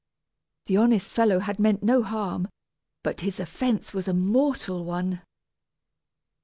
The honest fellow had meant no harm, but his offence was a mortal one!